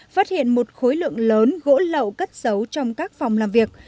phát hiện một khối lượng lớn gỗ lậu cất xấu trong các phòng làm việc